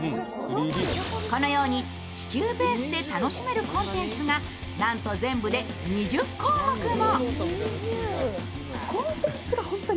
このように地球ベースで楽しめるコンテンツがなんと全部で２０項目も。